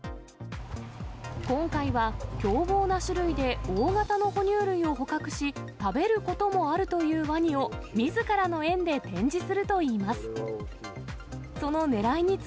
今回は凶暴な種類で、大型の哺乳類を捕獲し、食べることもあるというワニを、みずからの園で展示するといいます。